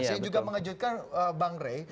saya juga mengejutkan bang rey